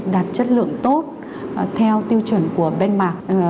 đạt chất lượng tốt theo tiêu chuẩn của benmark